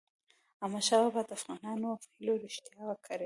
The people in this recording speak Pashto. احمدشاه بابا د افغانانو هیلې رښتیا کړی.